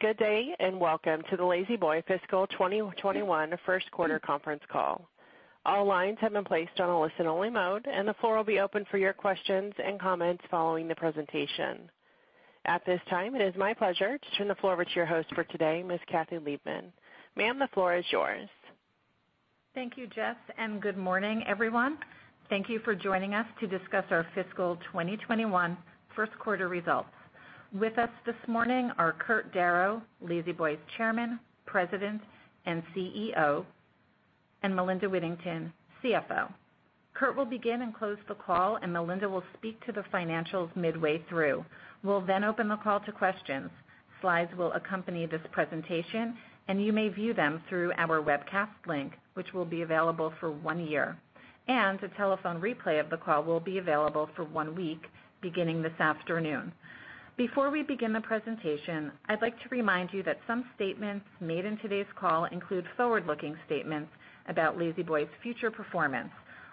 Good day, and welcome to the La-Z-Boy fiscal 2021 first quarter conference call. All lines have been placed on a listen-only mode, and the floor will be open for your questions and comments following the presentation. At this time, it is my pleasure to turn the floor over to your host for today, Ms. Kathy Liebmann. Ma'am, the floor is yours. Thank you, Jess, good morning, everyone. Thank you for joining us to discuss our fiscal 2021 first quarter results. With us this morning are Kurt Darrow, La-Z-Boy's Chairman, President, and CEO, and Melinda Whittington, CFO. Kurt will begin and close the call, and Melinda will speak to the financials midway through. We'll open the call to questions. Slides will accompany this presentation, and you may view them through our webcast link, which will be available for one year. A telephone replay of the call will be available for one week, beginning this afternoon. Before we begin the presentation, I'd like to remind you that some statements made in today's call include forward-looking statements about La-Z-Boy's future performance.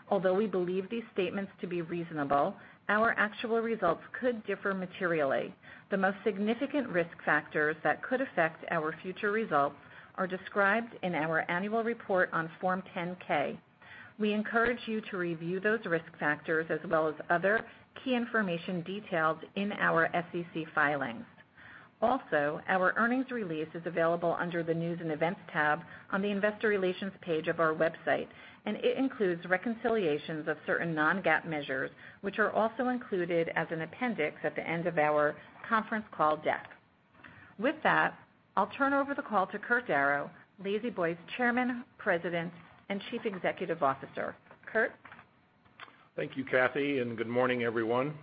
Although we believe these statements to be reasonable, our actual results could differ materially. The most significant risk factors that could affect our future results are described in our annual report on Form 10-K. We encourage you to review those risk factors as well as other key information details in our SEC filings. Also, our earnings release is available under the News and Events tab on the Investor Relations page of our website, and it includes reconciliations of certain Non-GAAP measures, which are also included as an appendix at the end of our conference call deck. With that, I'll turn over the call to Kurt Darrow, La-Z-Boy's Chairman, President, and Chief Executive Officer. Kurt? Thank you, Kathy, and good morning, everyone.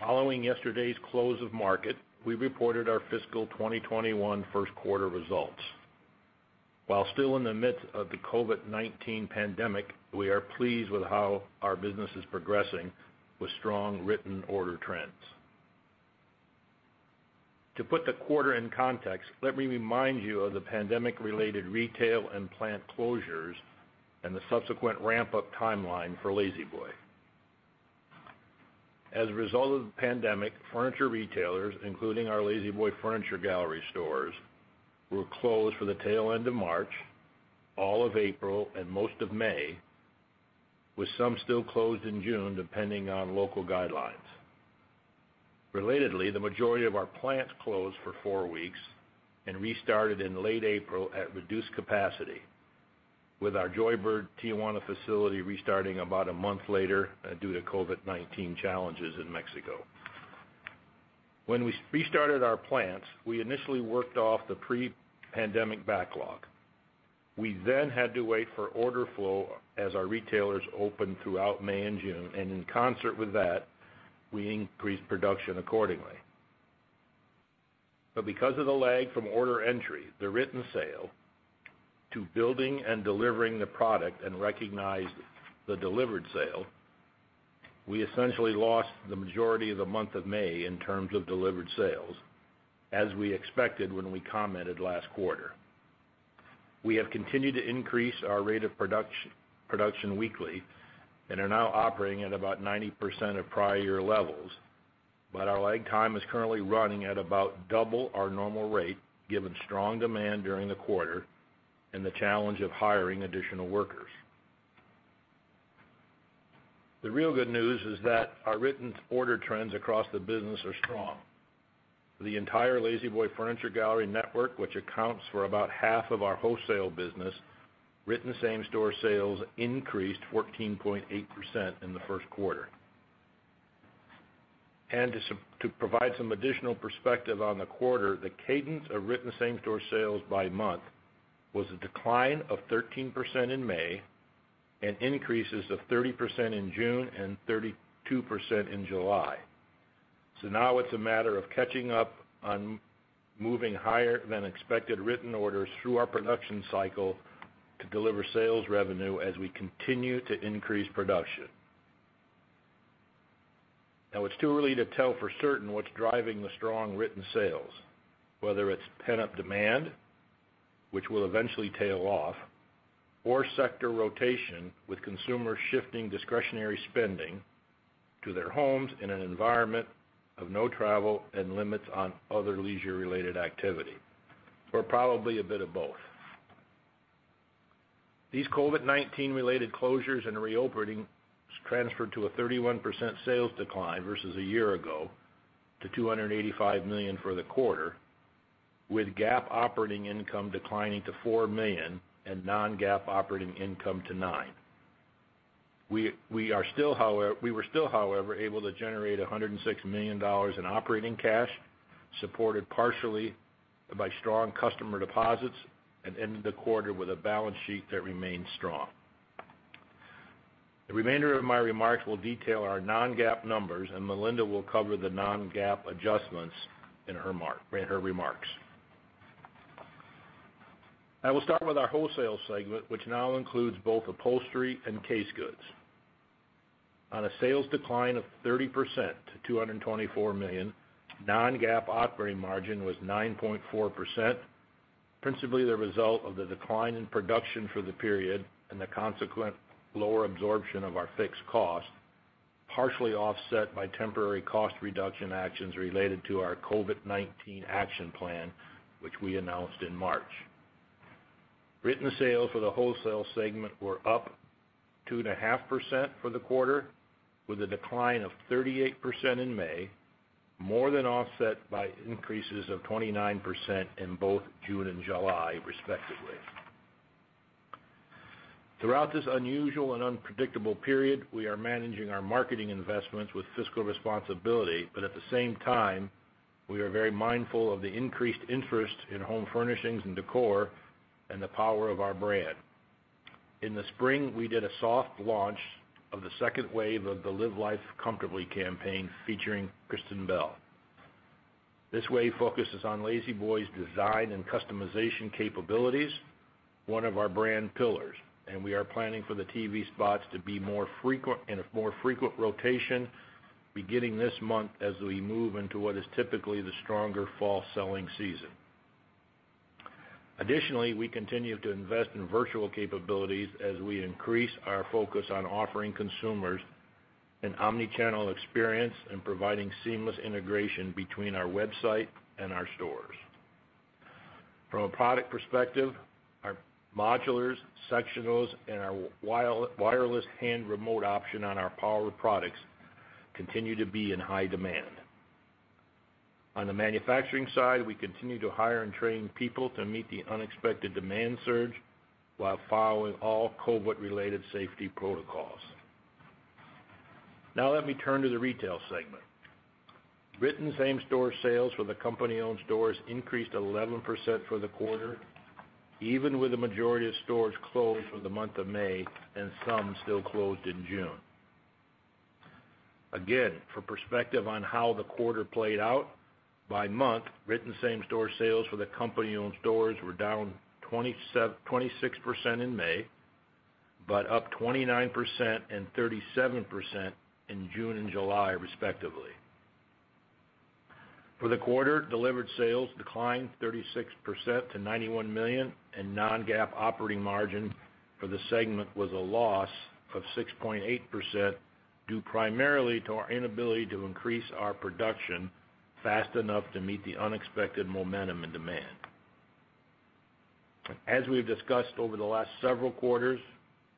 Following yesterday's close of market, we reported our fiscal 2021 first quarter results. While still in the midst of the COVID-19 pandemic, we are pleased with how our business is progressing with strong written order trends. To put the quarter in context, let me remind you of the pandemic-related retail and plant closures and the subsequent ramp-up timeline for La-Z-Boy. As a result of the pandemic, furniture retailers, including our La-Z-Boy Furniture Galleries stores, were closed for the tail end of March, all of April, and most of May, with some still closed in June, depending on local guidelines. Relatedly, the majority of our plants closed for four weeks and restarted in late April at reduced capacity, with our Joybird Tijuana facility restarting about a month later due to COVID-19 challenges in Mexico. When we restarted our plants, we initially worked off the pre-pandemic backlog. We had to wait for order flow as our retailers opened throughout May and June, and in concert with that, we increased production accordingly. Because of the lag from order entry, the written sale to building and delivering the product and recognize the delivered sale, we essentially lost the majority of the month of May in terms of delivered sales, as we expected when we commented last quarter. We have continued to increase our rate of production weekly and are now operating at about 90% of prior year levels. Our lag time is currently running at about double our normal rate, given strong demand during the quarter and the challenge of hiring additional workers. The real good news is that our written order trends across the business are strong. For the entire La-Z-Boy Furniture Galleries network, which accounts for about half of our wholesale business, written same-store sales increased 14.8% in the first quarter. To provide some additional perspective on the quarter, the cadence of written same-store sales by month was a decline of 13% in May and increases of 30% in June and 32% in July. Now it's a matter of catching up on moving higher-than-expected written orders through our production cycle to deliver sales revenue as we continue to increase production. It's too early to tell for certain what's driving the strong written sales, whether it's pent-up demand, which will eventually tail off, or sector rotation with consumers shifting discretionary spending to their homes in an environment of no travel and limits on other leisure-related activity, or probably a bit of both. These COVID-19 related closures and reopenings transferred to a 31% sales decline versus a year ago to $285 million for the quarter, with GAAP operating income declining to $4 million and Non-GAAP operating income to $9 million. We were still, however, able to generate $106 million in operating cash, supported partially by strong customer deposits and ended the quarter with a balance sheet that remains strong. The remainder of my remarks will detail our Non-GAAP numbers, and Melinda will cover the Non-GAAP adjustments in her remarks. I will start with our wholesale segment, which now includes both upholstery and casegoods. On a sales decline of 30% to $224 million, Non-GAAP operating margin was 9.4%, principally the result of the decline in production for the period and the consequent lower absorption of our fixed costs. Partially offset by temporary cost reduction actions related to our COVID-19 action plan, which we announced in March. Written sales for the wholesale segment were up 2.5% for the quarter, with a decline of 38% in May, more than offset by increases of 29% in both June and July respectively. Throughout this unusual and unpredictable period, we are managing our marketing investments with fiscal responsibility, At the same time, we are very mindful of the increased interest in home furnishings and decor and the power of our brand. In the spring, we did a soft launch of the second wave of the Live Life Comfortably campaign, featuring Kristen Bell. This wave focuses on La-Z-Boy's design and customization capabilities, one of our brand pillars. We are planning for the TV spots to be in a more frequent rotation beginning this month as we move into what is typically the stronger fall selling season. Additionally, we continue to invest in virtual capabilities as we increase our focus on offering consumers an omni-channel experience and providing seamless integration between our website and our stores. From a product perspective, our modulars, sectionals, and our wireless hand remote option on our power products continue to be in high demand. On the manufacturing side, we continue to hire and train people to meet the unexpected demand surge while following all COVID related safety protocols. Now let me turn to the retail segment. Written same-store sales for the company-owned stores increased 11% for the quarter, even with the majority of stores closed for the month of May and some still closed in June. Again, for perspective on how the quarter played out by month, written same-store sales for the company-owned stores were down 26% in May, but up 29% and 37% in June and July respectively. For the quarter, delivered sales declined 36% to $91 million and Non-GAAP operating margin for the segment was a loss of 6.8% due primarily to our inability to increase our production fast enough to meet the unexpected momentum and demand. As we've discussed over the last several quarters,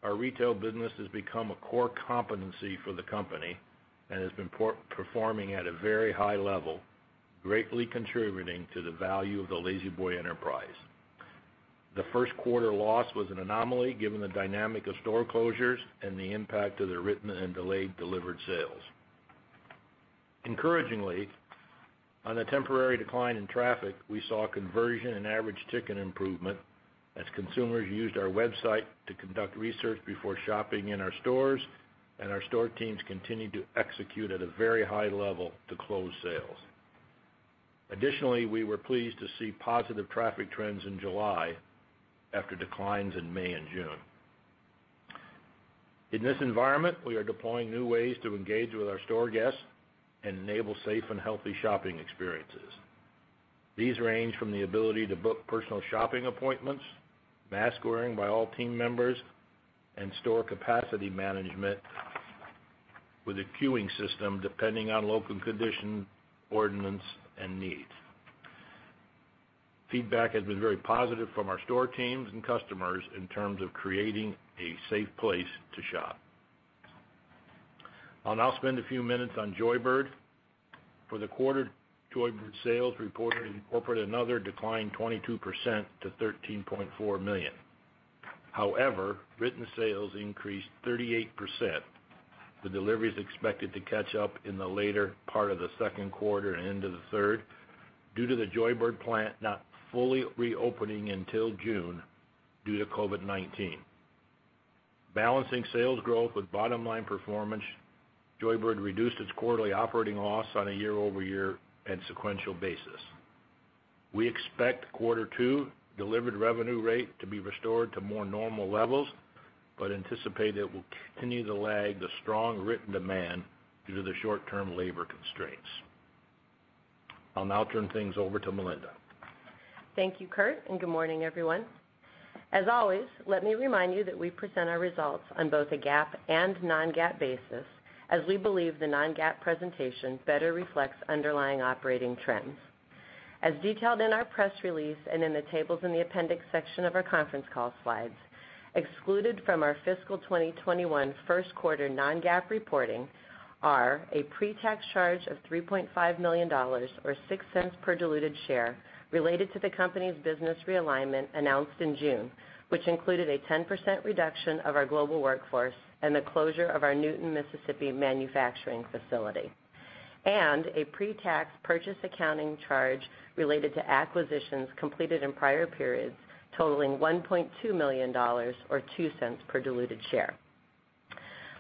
our retail business has become a core competency for the company and has been performing at a very high level, greatly contributing to the value of the La-Z-Boy enterprise. The first quarter loss was an anomaly given the dynamic of store closures and the impact of the written and delayed delivered sales. Encouragingly, on a temporary decline in traffic, we saw a conversion and average ticket improvement as consumers used our website to conduct research before shopping in our stores, and our store teams continued to execute at a very high level to close sales. We were pleased to see positive traffic trends in July after declines in May and June. In this environment, we are deploying new ways to engage with our store guests and enable safe and healthy shopping experiences. These range from the ability to book personal shopping appointments, mask wearing by all team members, and store capacity management with a queuing system, depending on local condition, ordinance, and needs. Feedback has been very positive from our store teams and customers in terms of creating a safe place to shop. I'll now spend a few minutes on Joybird. For the quarter, Joybird sales reported another decline, 22% to $13.4 million. However, written sales increased 38%. The delivery is expected to catch up in the later part of the second quarter and into the third, due to the Joybird plant not fully reopening until June due to COVID-19. Balancing sales growth with bottom-line performance, Joybird reduced its quarterly operating loss on a year-over-year and sequential basis. We expect quarter two delivered revenue rate to be restored to more normal levels, but anticipate it will continue to lag the strong written demand due to the short-term labor constraints. I'll now turn things over to Melinda. Thank you, Kurt, and good morning, everyone. As always, let me remind you that we present our results on both a GAAP and Non-GAAP basis as we believe the Non-GAAP presentation better reflects underlying operating trends. As detailed in our press release and in the tables in the appendix section of our conference call slides, excluded from our fiscal 2021 first quarter Non-GAAP reporting are a pre-tax charge of $3.5 million, or $0.06 per diluted share related to the company's business realignment announced in June, which included a 10% reduction of our global workforce and the closure of our Newton, Mississippi, manufacturing facility, and a pre-tax purchase accounting charge related to acquisitions completed in prior periods totaling $1.2 million, or $0.02 per diluted share.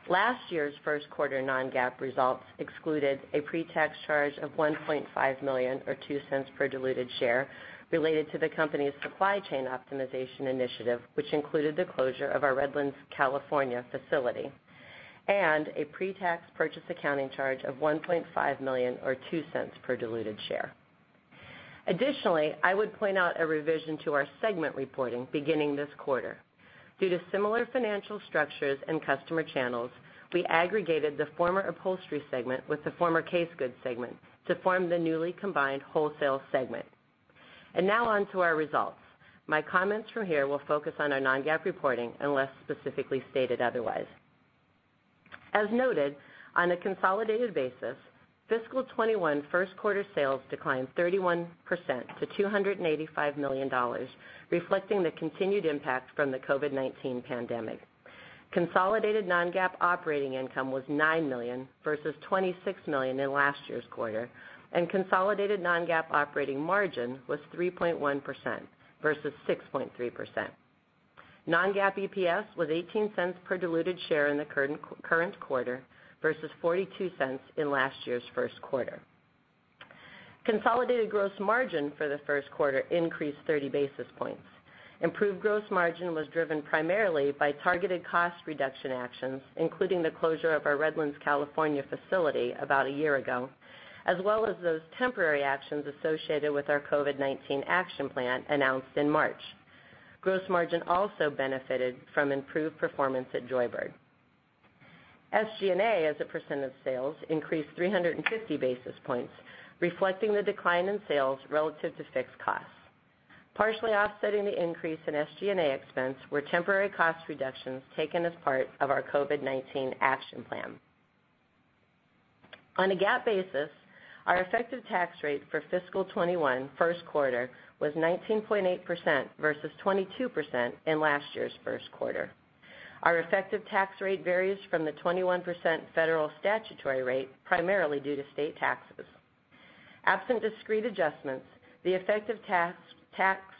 Last year's first quarter Non-GAAP results excluded a pre-tax charge of $1.5 million, or $0.02 per diluted share related to the company's supply chain optimization initiative, which included the closure of our Redlands, California, facility and a pre-tax purchase accounting charge of $1.5 million or $0.02 per diluted share. Additionally, I would point out a revision to our segment reporting beginning this quarter. Due to similar financial structures and customer channels, we aggregated the former Upholstery Segment with the former Casegood Segment to form the newly combined Wholesale Segment. Now on to our results. My comments from here will focus on our Non-GAAP reporting unless specifically stated otherwise. As noted, on a consolidated basis, fiscal 2021 first quarter sales declined 31% to $285 million, reflecting the continued impact from the COVID-19 pandemic. Consolidated Non-GAAP operating income was $9 million versus $26 million in last year's quarter. Consolidated Non-GAAP operating margin was 3.1% versus 6.3%. Non-GAAP EPS was $0.18 per diluted share in the current quarter versus $0.42 in last year's first quarter. Consolidated gross margin for the first quarter increased 30 basis points. Improved gross margin was driven primarily by targeted cost reduction actions, including the closure of our Redlands, California facility about a year ago, as well as those temporary actions associated with our COVID-19 action plan announced in March. Gross margin also benefited from improved performance at Joybird. SG&A as a percent of sales increased 350 basis points, reflecting the decline in sales relative to fixed costs. Partially offsetting the increase in SG&A expense were temporary cost reductions taken as part of our COVID-19 action plan. On a GAAP basis, our effective tax rate for fiscal 2021 first quarter was 19.8% versus 22% in last year's first quarter. Our effective tax rate varies from the 21% federal statutory rate, primarily due to state taxes. Absent discrete adjustments, the effective tax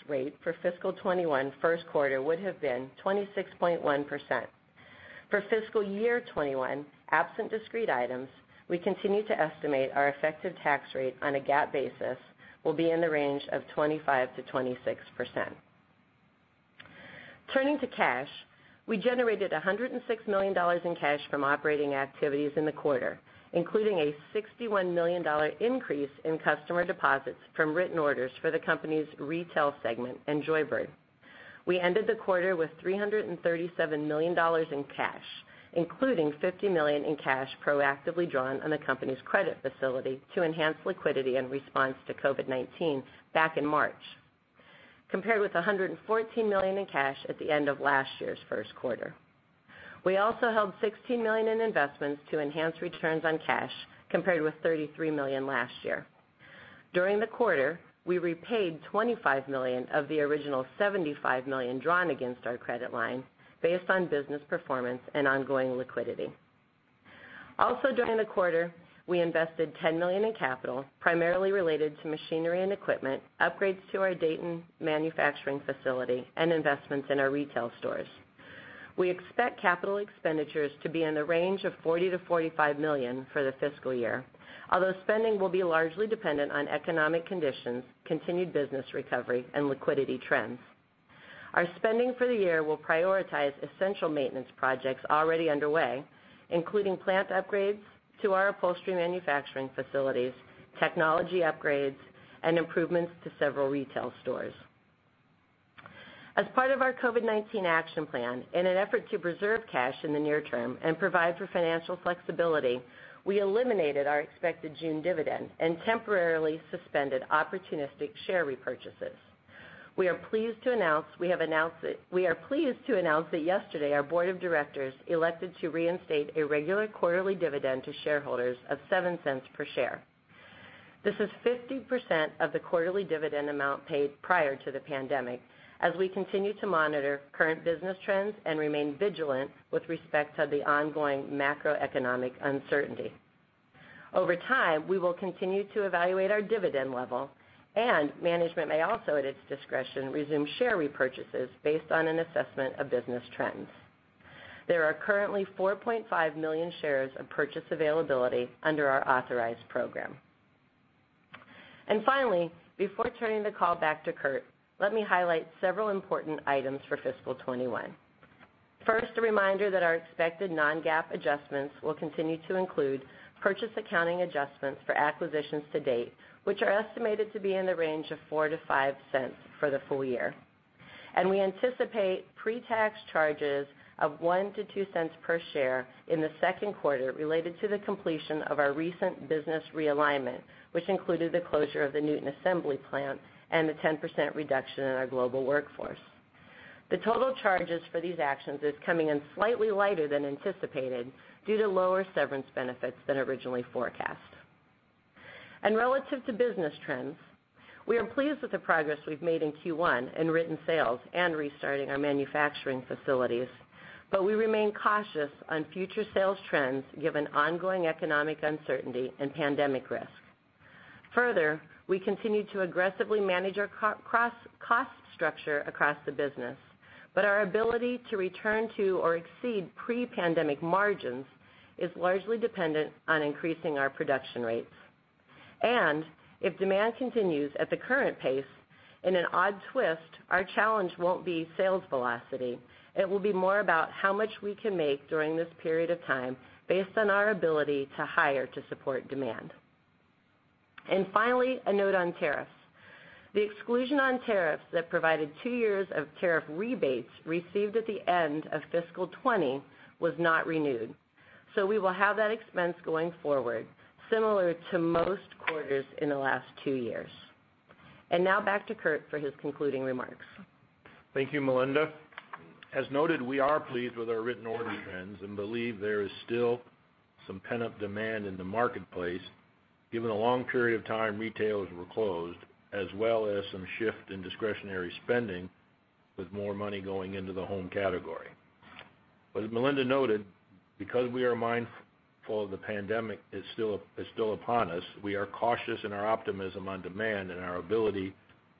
rate for fiscal 2021 first quarter would have been 26.1%. For fiscal year 2021, absent discrete items, we continue to estimate our effective tax rate on a GAAP basis will be in the range of 25%-26%. Turning to cash, we generated $106 million in cash from operating activities in the quarter, including a $61 million increase in customer deposits from written orders for the company's retail segment and Joybird. We ended the quarter with $337 million in cash, including $50 million in cash proactively drawn on the company's credit facility to enhance liquidity in response to COVID-19 back in March, compared with $114 million in cash at the end of last year's first quarter. We held $16 million in investments to enhance returns on cash, compared with $33 million last year. During the quarter, we repaid $25 million of the original $75 million drawn against our credit line based on business performance and ongoing liquidity. During the quarter, we invested $10 million in capital, primarily related to machinery and equipment, upgrades to our Dayton manufacturing facility, and investments in our retail stores. We expect capital expenditures to be in the range of $40 million-$45 million for the fiscal year, although spending will be largely dependent on economic conditions, continued business recovery, and liquidity trends. Our spending for the year will prioritize essential maintenance projects already underway, including plant upgrades to our upholstery manufacturing facilities, technology upgrades, and improvements to several retail stores. As part of our COVID-19 action plan, in an effort to preserve cash in the near term and provide for financial flexibility, we eliminated our expected June dividend and temporarily suspended opportunistic share repurchases. We are pleased to announce that yesterday, our board of directors elected to reinstate a regular quarterly dividend to shareholders of $0.07 per share. This is 50% of the quarterly dividend amount paid prior to the pandemic, as we continue to monitor current business trends and remain vigilant with respect to the ongoing macroeconomic uncertainty. Over time, we will continue to evaluate our dividend level, and management may also, at its discretion, resume share repurchases based on an assessment of business trends. There are currently 4.5 million shares of repurchase availability under our authorized program. Finally, before turning the call back to Kurt, let me highlight several important items for fiscal 2021. First, a reminder that our expected Non-GAAP adjustments will continue to include purchase accounting adjustments for acquisitions to date, which are estimated to be in the range of $0.04-$0.05 for the full year. We anticipate pre-tax charges of $0.01-$0.02 per share in the second quarter related to the completion of our recent business realignment, which included the closure of the Newton assembly plant and the 10% reduction in our global workforce. The total charges for these actions is coming in slightly lighter than anticipated due to lower severance benefits than originally forecast. Relative to business trends, we are pleased with the progress we've made in Q1 in written sales and restarting our manufacturing facilities, we remain cautious on future sales trends given ongoing economic uncertainty and pandemic risk. Further, we continue to aggressively manage our cost structure across the business, our ability to return to or exceed pre-pandemic margins is largely dependent on increasing our production rates. If demand continues at the current pace. In an odd twist, our challenge won't be sales velocity. It will be more about how much we can make during this period of time based on our ability to hire to support demand. Finally, a note on tariffs. The exclusion on tariffs that provided two years of tariff rebates received at the end of fiscal 2020 was not renewed. We will have that expense going forward, similar to most quarters in the last two years. Now back to Kurt for his concluding remarks. Thank you, Melinda. As noted, we are pleased with our written order trends and believe there is still some pent-up demand in the marketplace, given a long period of time retailers were closed, as well as some shift in discretionary spending with more money going into the home category. As Melinda noted, because we are mindful the pandemic is still upon us, we are cautious in our optimism on demand and our ability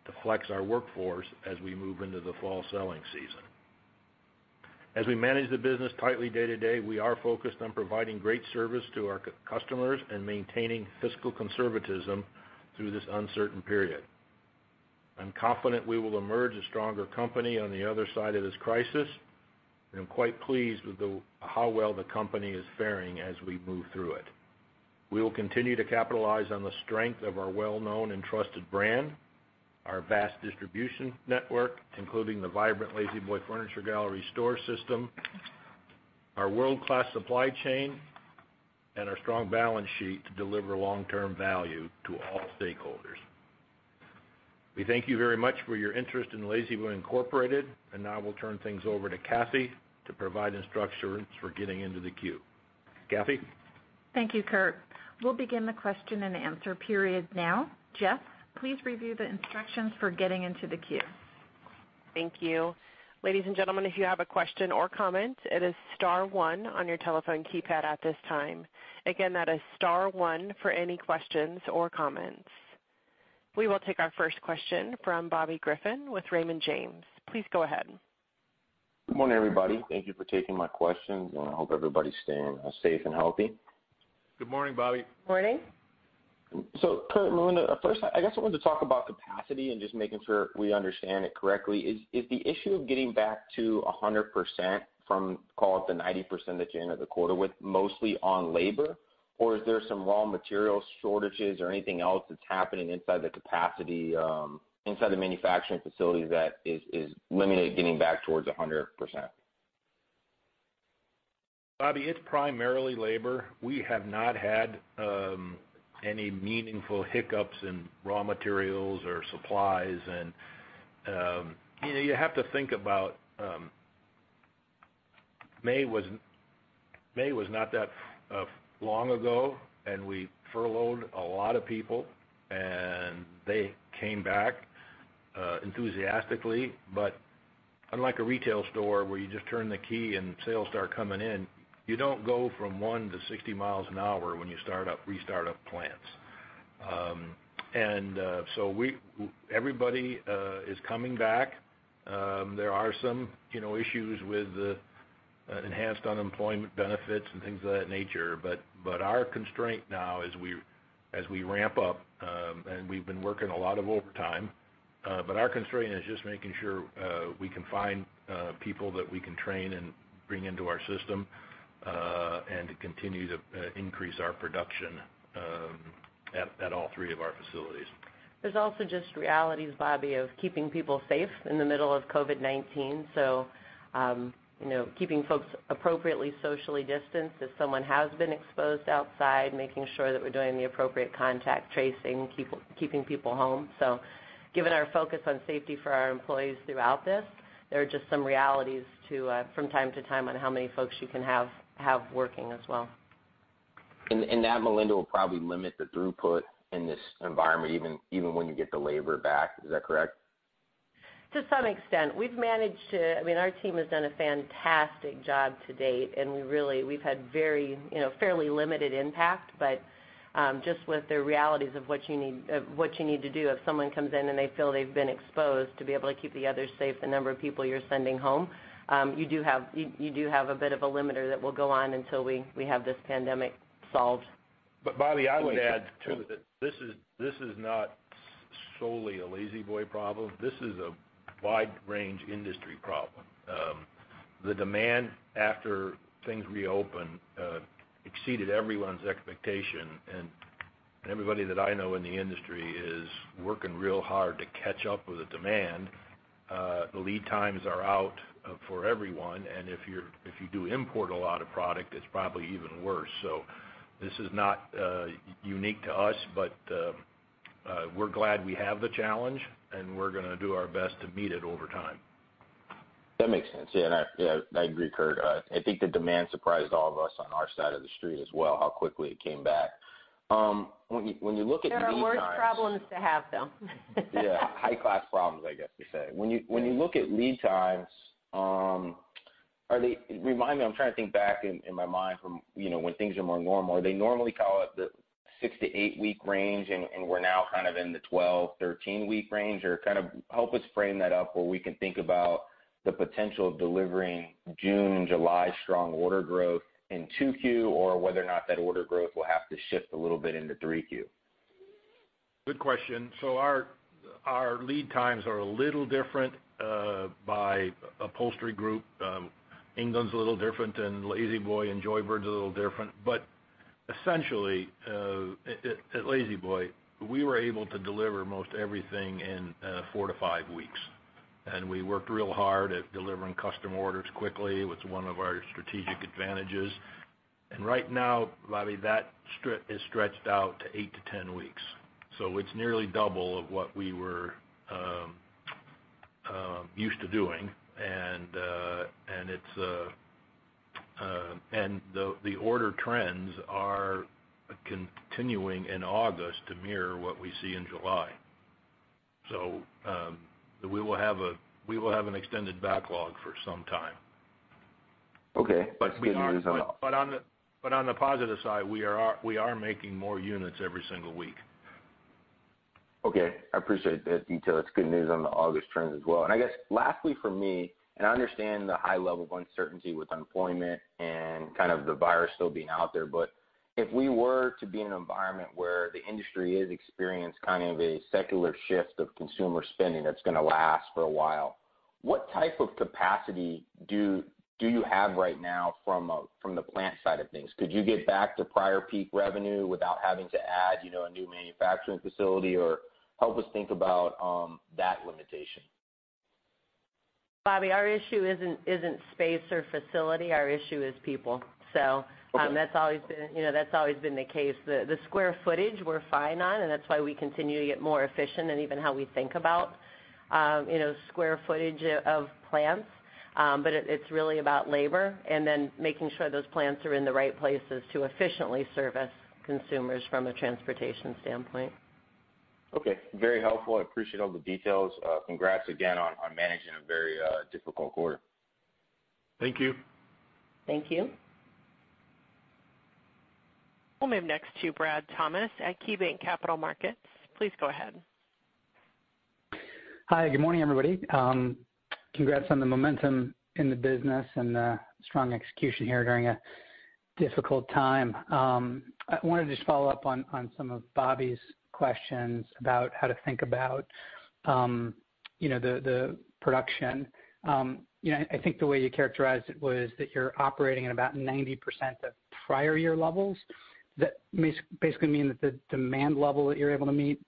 to flex our workforce as we move into the fall selling season. As we manage the business tightly day to day, we are focused on providing great service to our customers and maintaining fiscal conservatism through this uncertain period. I'm confident we will emerge a stronger company on the other side of this crisis, and I'm quite pleased with how well the company is faring as we move through it. We will continue to capitalize on the strength of our well-known and trusted brand, our vast distribution network, including the vibrant La-Z-Boy Furniture Galleries store system, our world-class supply chain, and our strong balance sheet to deliver long-term value to all stakeholders. We thank you very much for your interest in La-Z-Boy Incorporated. Now we'll turn things over to Kathy to provide instructions for getting into the queue. Kathy? Thank you, Kurt. We'll begin the question and answer period now. Jess, please review the instructions for getting into the queue. Thank you. Ladies and gentlemen, if you have a question or comment, it is star one on your telephone keypad at this time. Again, that is star one for any questions or comments. We will take our first question from Bobby Griffin with Raymond James. Please go ahead. Good morning, everybody. Thank you for taking my questions. I hope everybody's staying safe and healthy. Good morning, Bobby. Morning. Kurt, Melinda, first, I guess I wanted to talk about capacity and just making sure we understand it correctly. Is the issue of getting back to 100% from, call it the 90% at the end of the quarter, with mostly on labor? Or is there some raw material shortages or anything else that's happening inside the manufacturing facility that is limiting getting back towards 100%? Bobby, it's primarily labor. We have not had any meaningful hiccups in raw materials or supplies. You have to think about May was not that long ago, and we furloughed a lot of people, and they came back enthusiastically. Unlike a retail store where you just turn the key and sales start coming in, you don't go from one to 60 miles an hour when you restart up plants. Everybody is coming back. There are some issues with enhanced unemployment benefits and things of that nature. Our constraint now as we ramp up, and we've been working a lot of overtime, but our constraint is just making sure we can find people that we can train and bring into our system, and to continue to increase our production at all three of our facilities. There's also just realities, Bobby, of keeping people safe in the middle of COVID-19. Keeping folks appropriately socially distanced if someone has been exposed outside, making sure that we're doing the appropriate contact tracing, keeping people home. Given our focus on safety for our employees throughout this, there are just some realities from time to time on how many folks you can have working as well. That, Melinda, will probably limit the throughput in this environment even when you get the labor back. Is that correct? To some extent. Our team has done a fantastic job to date, and we've had fairly limited impact. Just with the realities of what you need to do if someone comes in and they feel they've been exposed, to be able to keep the others safe, the number of people you're sending home. You do have a bit of a limiter that will go on until we have this pandemic solved. Bobby, I would add, too, that this is not solely a La-Z-Boy problem. This is a wide-range industry problem. The demand after things reopened exceeded everyone's expectation. Everybody that I know in the industry is working real hard to catch up with the demand. The lead times are out for everyone, and if you do import a lot of product, it's probably even worse. This is not unique to us, but we're glad we have the challenge, and we're going to do our best to meet it over time. That makes sense. Yeah, I agree, Kurt. I think the demand surprised all of us on our side of the street as well, how quickly it came back. When you look at lead times. There are worse problems to have, though. Yeah. High-class problems, I guess you say. When you look at lead times, remind me, I'm trying to think back in my mind from when things are more normal. Are they normally call it the 6-8-week range, and we're now kind of in the 12 weeks, 13-week range? Or help us frame that up where we can think about the potential of delivering June and July strong order growth in 2Q or whether or not that order growth will have to shift a little bit into 3Q. Good question. Our lead times are a little different by upholstery group. England's a little different, and La-Z-Boy and Joybird's a little different. Essentially, at La-Z-Boy, we were able to deliver most everything in 4 weeks-5 weeks, and we worked real hard at delivering custom orders quickly. It's one of our strategic advantages. Right now, Bobby, that is stretched out to 8 to 10 weeks. It's nearly double of what we were used to doing. The order trends are continuing in August to mirror what we see in July. We will have an extended backlog for some time. Okay. That's good news. On the positive side, we are making more units every single week. Okay. I appreciate that detail. It's good news on the August trends as well. I guess lastly from me, and I understand the high level of uncertainty with unemployment and the virus still being out there, but if we were to be in an environment where the industry has experienced a secular shift of consumer spending that's going to last for a while, what type of capacity do you have right now from the plant side of things? Could you get back to prior peak revenue without having to add a new manufacturing facility? Help us think about that limitation. Bobby, our issue isn't space or facility, our issue is people. Okay. that's always been the case. The square footage we're fine on. That's why we continue to get more efficient in even how we think about square footage of plants. It's really about labor and then making sure those plants are in the right places to efficiently service consumers from a transportation standpoint. Okay. Very helpful. I appreciate all the details. Congrats again on managing a very difficult quarter. Thank you. Thank you. We'll move next to Bradley Thomas at KeyBanc Capital Markets. Please go ahead. Hi, good morning, everybody. Congrats on the momentum in the business and the strong execution here during a difficult time. I wanted to just follow up on some of Bobby's questions about how to think about the production. I think the way you characterized it was that you're operating at about 90% of prior year levels. Does that basically mean that the demand level that you're able to meet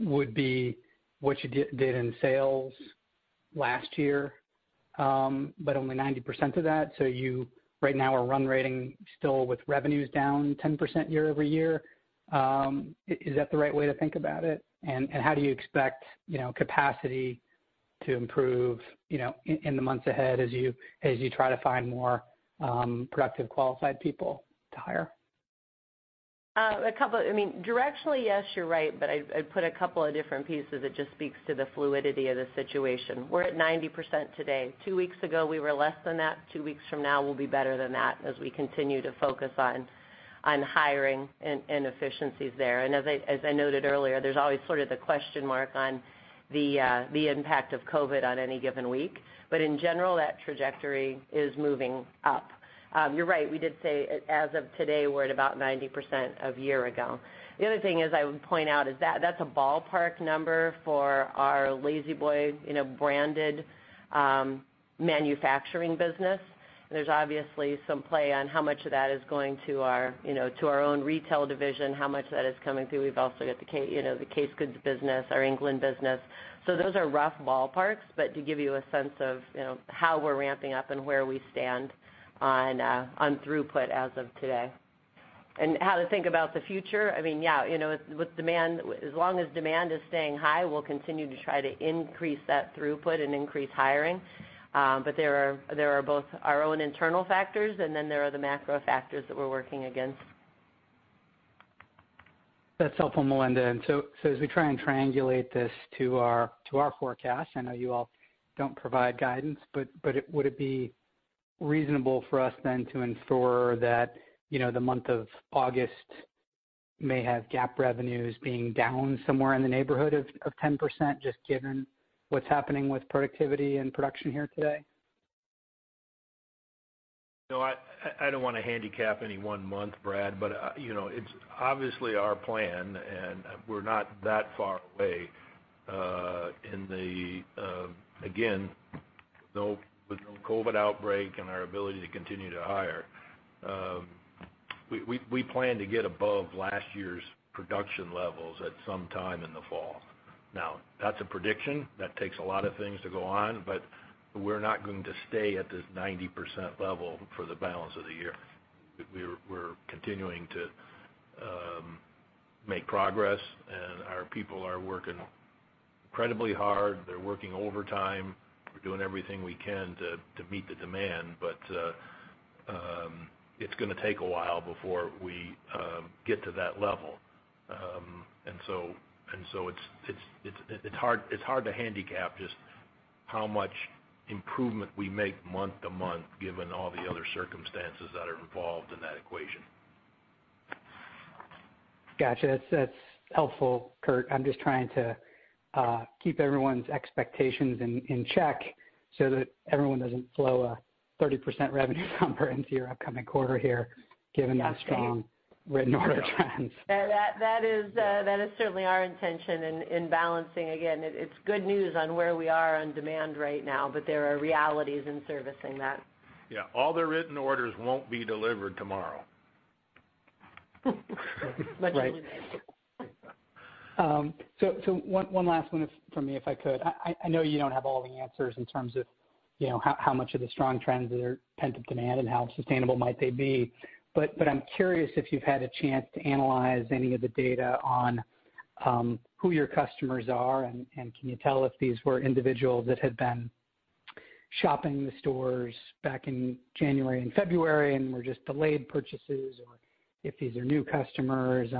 would be what you did in sales last year, but only 90% of that? You right now are run rating still with revenues down 10% year-over-year. Is that the right way to think about it? How do you expect capacity to improve in the months ahead as you try to find more productive, qualified people to hire? Directionally, yes, you're right, I'd put a couple of different pieces that just speaks to the fluidity of the situation. We're at 90% today. Two weeks ago, we were less than that. Two weeks from now, we'll be better than that as we continue to focus on hiring and efficiencies there. As I noted earlier, there's always sort of the question mark on the impact of COVID on any given week. In general, that trajectory is moving up. You're right, we did say, as of today, we're at about 90% of a year ago. The other thing is I would point out is that's a ballpark number for our La-Z-Boy branded manufacturing business. There's obviously some play on how much of that is going to our own retail division, how much that is coming through. We've also got the casegoods business, our England business. Those are rough ballparks, but to give you a sense of how we're ramping up and where we stand on throughput as of today. How to think about the future, as long as demand is staying high, we'll continue to try to increase that throughput and increase hiring. There are both our own internal factors, and then there are the macro factors that we're working against. That's helpful, Melinda. As we try and triangulate this to our forecast, I know you all don't provide guidance, but would it be reasonable for us then to ensure that the month of August may have GAAP revenues being down somewhere in the neighborhood of 10%, just given what's happening with productivity and production here today? No, I don't want to handicap any one month, Brad, but it's obviously our plan, and we're not that far away. Again, with no COVID-19 outbreak and our ability to continue to hire, we plan to get above last year's production levels at some time in the fall. That's a prediction. That takes a lot of things to go on, but we're not going to stay at this 90% level for the balance of the year. We're continuing to make progress, and our people are working incredibly hard. They're working overtime. We're doing everything we can to meet the demand, but it's going to take a while before we get to that level. It's hard to handicap just how much improvement we make month to month, given all the other circumstances that are involved in that equation. Got you. That's helpful, Kurt. I'm just trying to keep everyone's expectations in check so that everyone doesn't flow a 30% revenue number into your upcoming quarter here, given the strong written order trends. That is certainly our intention in balancing. Again, it's good news on where we are on demand right now, but there are realities in servicing that. Yeah. All the written orders won't be delivered tomorrow. Right. One last one from me, if I could. I know you don't have all the answers in terms of how much of the strong trends that are pent-up demand, and how sustainable might they be, but I'm curious if you've had a chance to analyze any of the data on who your customers are, and can you tell if these were individuals that had been shopping the stores back in January and February and were just delayed purchases, or if these are new customers?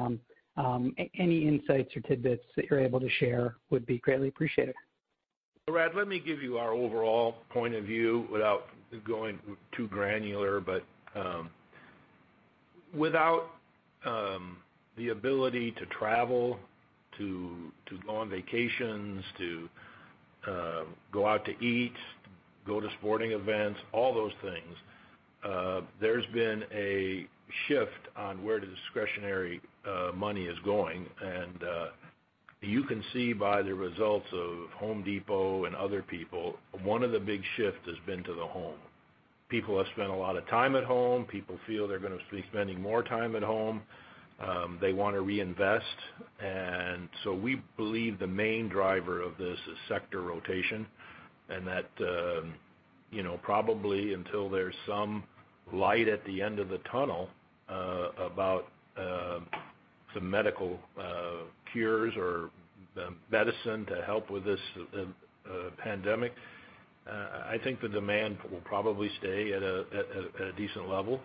Any insights or tidbits that you're able to share would be greatly appreciated. Brad, let me give you our overall point of view without going too granular. Without the ability to travel, to go on vacations, to go out to eat, go to sporting events, all those things, there's been a shift on where the discretionary money is going. You can see by the results of The Home Depot and other people, one of the big shifts has been to the home. People have spent a lot of time at home. People feel they're going to be spending more time at home. They want to reinvest. We believe the main driver of this is sector rotation, and that probably until there's some light at the end of the tunnel about some medical cures or the medicine to help with this pandemic, I think the demand will probably stay at a decent level.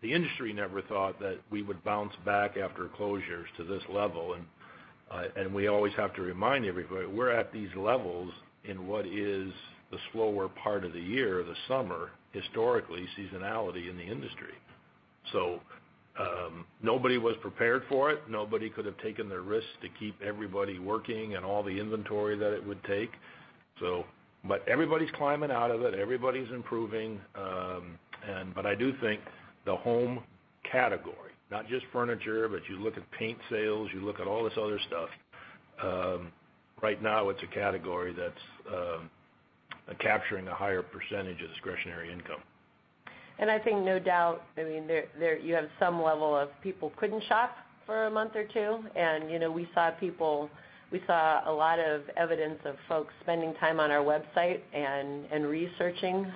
The industry never thought that we would bounce back after closures to this level. We always have to remind everybody, we're at these levels in what is the slower part of the year, the summer, historically, seasonality in the industry. Nobody was prepared for it. Nobody could have taken the risk to keep everybody working and all the inventory that it would take. Everybody's climbing out of it, everybody's improving. I do think the home category, not just furniture, but you look at paint sales, you look at all this other stuff, right now it's a category that's capturing a higher percentage of discretionary income. I think no doubt, you have some level of people couldn't shop for a month or two, and we saw a lot of evidence of folks spending time on our website and researching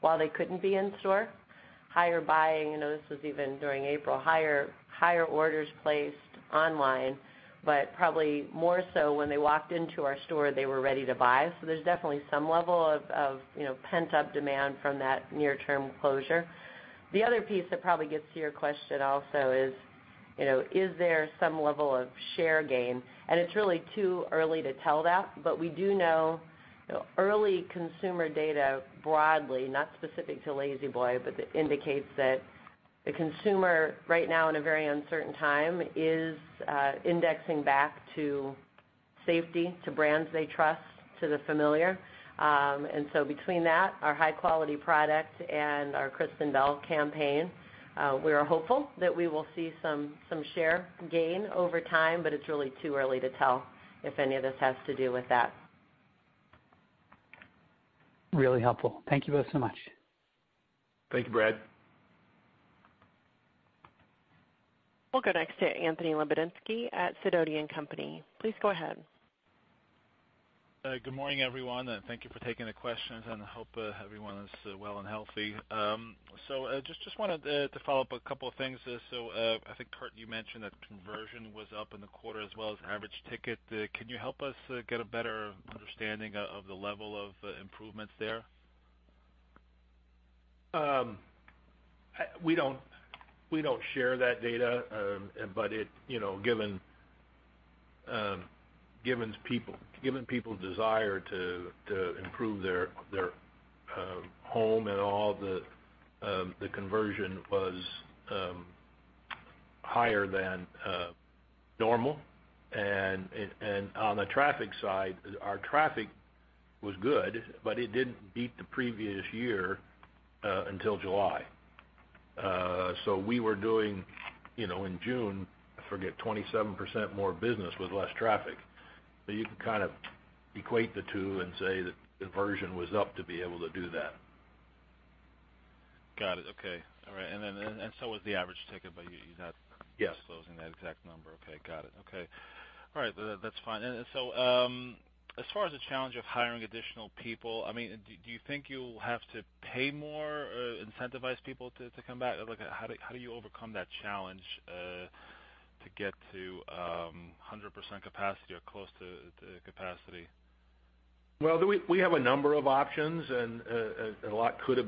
while they couldn't be in store. Higher buying, this was even during April, higher orders placed online, but probably more so when they walked into our store, they were ready to buy. There's definitely some level of pent-up demand from that near-term closure. The other piece that probably gets to your question also is there some level of share gain? It's really too early to tell that, but we do know early consumer data broadly, not specific to La-Z-Boy, but indicates that the consumer right now, in a very uncertain time, is indexing back to safety, to brands they trust, to the familiar. Between that, our high-quality product, and our Kristen Bell campaign, we are hopeful that we will see some share gain over time, but it is really too early to tell if any of this has to do with that. Really helpful. Thank you both so much. Thank you, Brad. We'll go next to Anthony Lebiedzinski at Sidoti & Company. Please go ahead. Good morning, everyone. Thank you for taking the questions, and I hope everyone is well and healthy. Just wanted to follow up a couple of things. I think, Kurt, you mentioned that conversion was up in the quarter as well as average ticket. Can you help us get a better understanding of the level of improvements there? We don't share that data. Given people's desire to improve their home and all, the conversion was higher than normal. On the traffic side, our traffic was good, but it didn't beat the previous year until July. We were doing, in June, I forget, 27% more business with less traffic. You can kind of equate the two and say that conversion was up to be able to do that. Got it. Okay. All right. Was the average ticket, but you're not. Yes. disclosing that exact number. Okay. Got it. Okay. All right. That's fine. As far as the challenge of hiring additional people, do you think you'll have to pay more or incentivize people to come back? How do you overcome that challenge to get to 100% capacity or close to capacity? Well, we have a number of options, and a lot could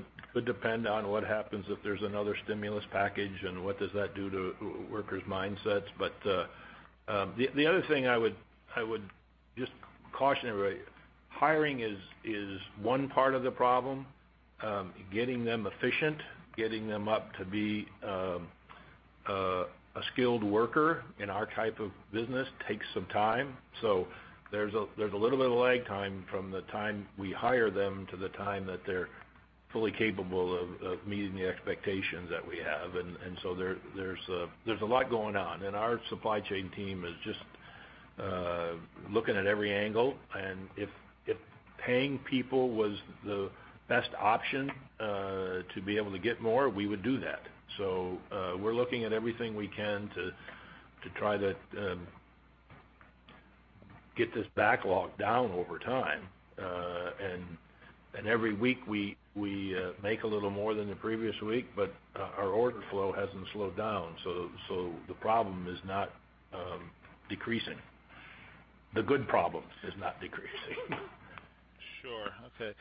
depend on what happens if there's another stimulus package and what does that do to workers' mindsets. The other thing I would just caution everybody. Hiring is one part of the problem. Getting them efficient, getting them up to be a skilled worker in our type of business takes some time. There's a little bit of lag time from the time we hire them to the time that they're fully capable of meeting the expectations that we have. There's a lot going on. Our supply chain team is just looking at every angle, and if paying people was the best option to be able to get more, we would do that. We're looking at everything we can to try to get this backlog down over time. Every week, we make a little more than the previous week, but our order flow hasn't slowed down, so the problem is not decreasing. The good problem is not decreasing. Sure. Okay.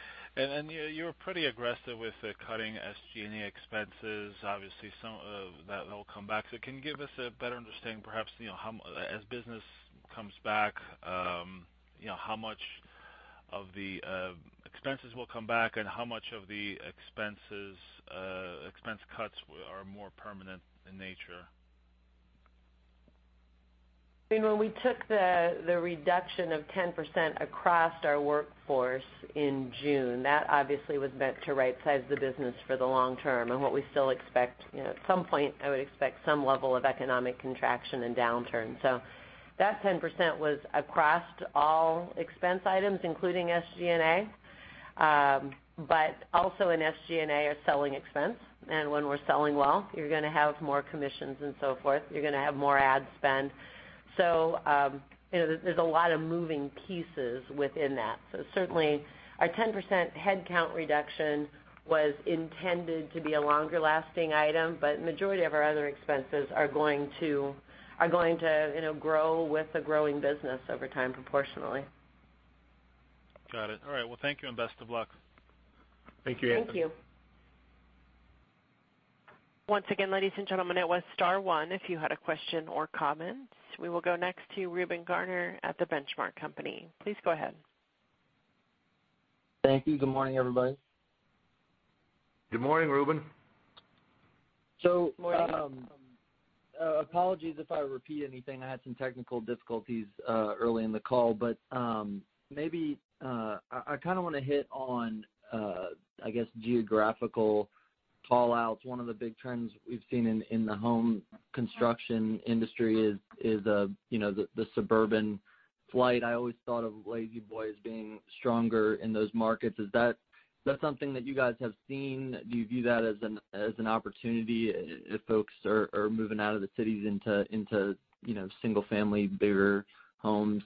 You're pretty aggressive with the cutting SG&A expenses. Obviously, some of that will come back. Can you give us a better understanding perhaps, as business comes back, how much of the expenses will come back and how much of the expense cuts are more permanent in nature? When we took the reduction of 10% across our workforce in June, that obviously was meant to right-size the business for the long term, and what we still expect. At some point, I would expect some level of economic contraction and downturn. That 10% was across all expense items, including SG&A. Also in SG&A are selling expense. When we're selling well, you're going to have more commissions and so forth. You're going to have more ad spend. There's a lot of moving pieces within that. Certainly, our 10% headcount reduction was intended to be a longer-lasting item, but majority of our other expenses are going to grow with the growing business over time, proportionally. Got it. All right. Well, thank you and best of luck. Thank you, Anthony. Thank you. Once again, ladies and gentlemen, it was star one if you had a question or comment. We will go next to Reuben Gardner at The Benchmark Company. Please go ahead. Thank you. Good morning, everybody. Good morning, Reuben. So- Good morning. apologies if I repeat anything. I had some technical difficulties earlier in the call. Maybe I want to hit on, I guess, geographical call-outs. One of the big trends we've seen in the home construction industry is the suburban flight. I always thought of La-Z-Boy as being stronger in those markets. Is that something that you guys have seen? Do you view that as an opportunity if folks are moving out of the cities into single-family, bigger homes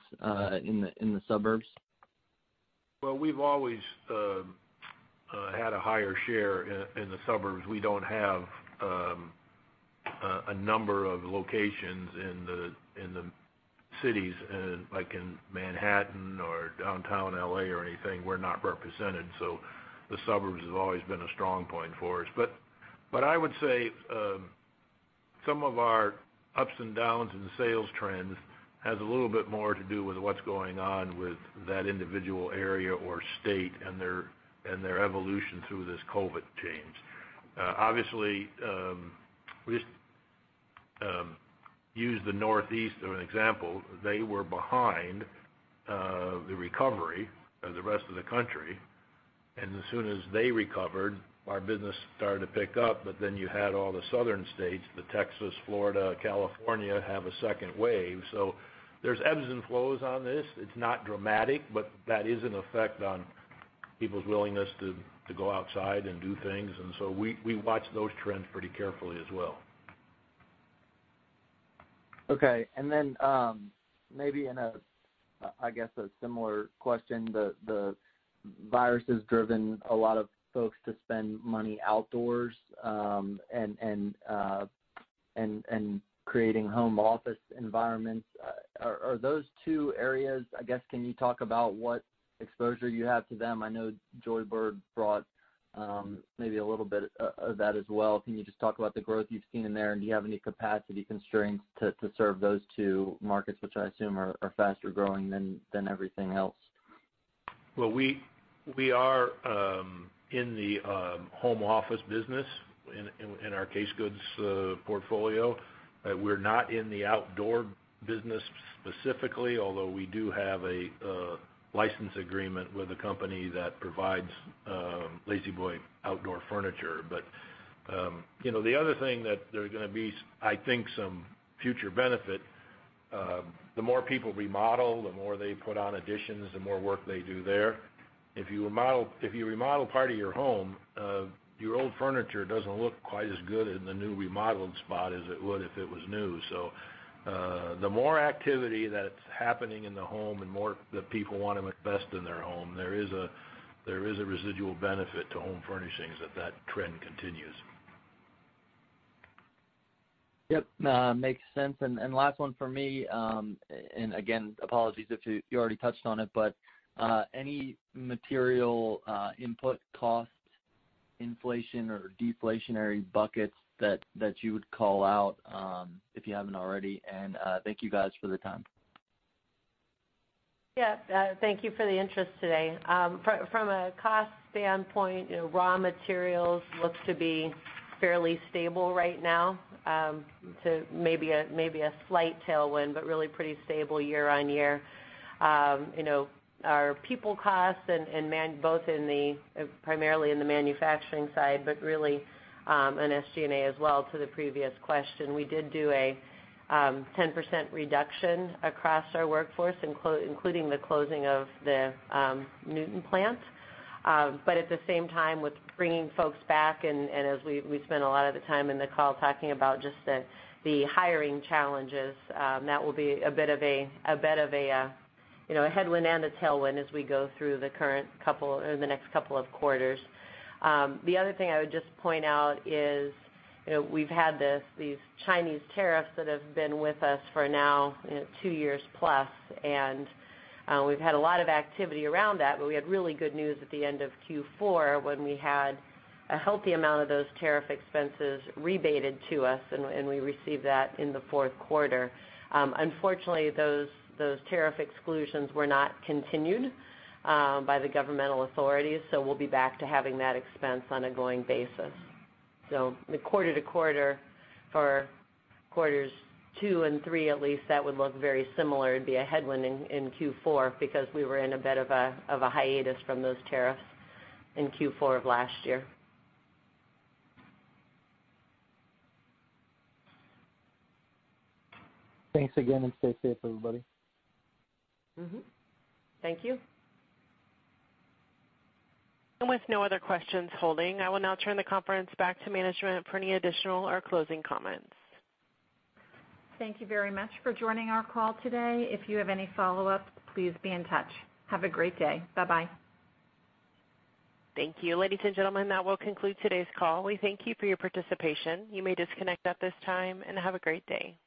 in the suburbs? Well, we've always had a higher share in the suburbs. We don't have a number of locations in the cities, like in Manhattan or downtown L.A. or anything. We're not represented, the suburbs have always been a strong point for us. I would say some of our ups and downs in the sales trends has a little bit more to do with what's going on with that individual area or state and their evolution through this COVID change. Obviously, we just use the Northeast as an example. They were behind the recovery of the rest of the country, as soon as they recovered, our business started to pick up, you had all the Southern states, the Texas, Florida, California, have a second wave. There's ebbs and flows on this. It's not dramatic, but that is an effect on people's willingness to go outside and do things. We watch those trends pretty carefully as well. Okay. Maybe in a, I guess, a similar question, the virus has driven a lot of folks to spend money outdoors and creating home office environments. Are those two areas, I guess, can you talk about what exposure you have to them? I know Joybird brought maybe a little bit of that as well. Can you just talk about the growth you've seen in there? Do you have any capacity constraints to serve those two markets, which I assume are faster growing than everything else? Well, we are in the home office business in our casegoods portfolio. We're not in the outdoor business specifically, although we do have a license agreement with a company that provides La-Z-Boy outdoor furniture. The other thing that there are gonna be, I think, some future benefit. The more people remodel, the more they put on additions, the more work they do there. If you remodel part of your home, your old furniture doesn't look quite as good in the new remodeled spot as it would if it was new. The more activity that's happening in the home and more the people want to invest in their home, there is a residual benefit to home furnishings if that trend continues. Yep. Makes sense. Last one for me, again, apologies if you already touched on it, but any material input cost inflation or deflationary buckets that you would call out, if you haven't already? Thank you guys for the time. Yeah. Thank you for the interest today. From a cost standpoint, raw materials looks to be fairly stable right now to maybe a slight tailwind, but really pretty stable year-on-year. Our people costs, both primarily in the manufacturing side, but really in SG&A as well, to the previous question, we did do a 10% reduction across our workforce, including the closing of the Newton plant. At the same time, with bringing folks back and as we spent a lot of the time in the call talking about just the hiring challenges, that will be a bit of a headwind and a tailwind as we go through the next couple of quarters. The other thing I would just point out is, we've had these Chinese tariffs that have been with us for now two years plus, and we've had a lot of activity around that. We had really good news at the end of Q4 when we had a healthy amount of those tariff expenses rebated to us, and we received that in the fourth quarter. Unfortunately, those tariff exclusions were not continued by the governmental authorities, so we'll be back to having that expense on a going basis. The quarter-to-quarter for quarters 2 and 3, at least, that would look very similar. It'd be a headwind in Q4 because we were in a bit of a hiatus from those tariffs in Q4 of last year. Thanks again, and stay safe, everybody. Mm-hmm. Thank you. With no other questions holding, I will now turn the conference back to management for any additional or closing comments. Thank you very much for joining our call today. If you have any follow-ups, please be in touch. Have a great day. Bye-bye. Thank you. Ladies and gentlemen, that will conclude today's call. We thank you for your participation. You may disconnect at this time, and have a great day.